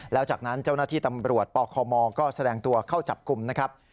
แล้วจากนั้นเจ้าหน้าที่ตำรวจปคมก็แสดงตัวเข้าจับกลุ่มนะครับ